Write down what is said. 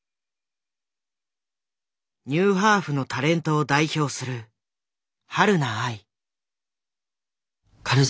ニューハーフのタレントを代表するはるな愛。